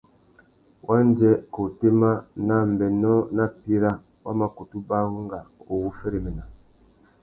Wandjê, kā otémá, nà ambénô nà píra wa mà kutu baranga u wu féréména.